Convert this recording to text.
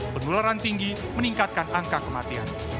penularan tinggi meningkatkan angka kematian